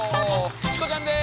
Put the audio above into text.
チコちゃんです！